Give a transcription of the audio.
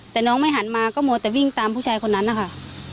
แต่น้องไม่หันมาก็มัวแต่วิ่งตามผู้ชายคนนั้นนะคะ